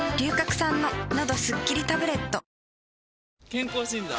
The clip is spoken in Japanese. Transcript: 健康診断？